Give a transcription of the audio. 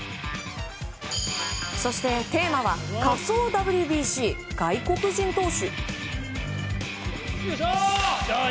そして、テーマは仮想ＷＢＣ外国人投手。